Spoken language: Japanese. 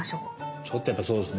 ちょっとやっぱそうですね。